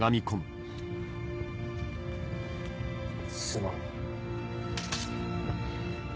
すまん。